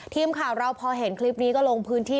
ทีมข่าวเราพอเห็นคลิปนี้ก็ลงพื้นที่